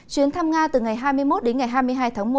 chuyến thăm nga từ ngày hai mươi một đến ngày hai mươi hai tháng một